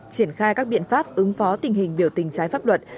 triển khai các biện pháp ứng phó tình hình biểu tình trái pháp luật